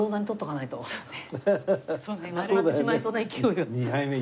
なくなってしまいそうな勢い。